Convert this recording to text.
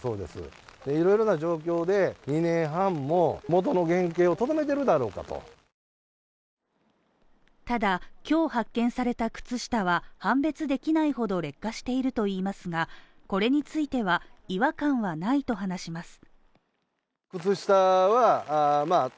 また靴の保存状態についてもただ、今日発見された靴下は、判別できないほど劣化しているといいますがこれについては違和感はないと話します。